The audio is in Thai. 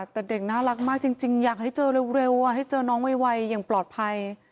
แต่เด็กน่ารักมากจริงอยากให้เจอเร็วให้เจอน้องไวอย่างปลอดภัย